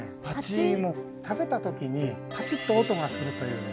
食べた時にパチッと音がするというですね